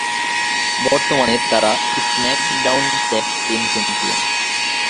বর্তমানে তারা SmackDown tag team champion.